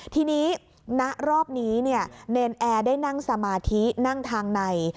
ทีนี้ณรอบนี้เนรนแอร์ได้นั่งสมาธินั่งทางใน